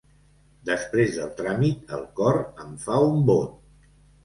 Després del tràmit, el cor em fa un bot.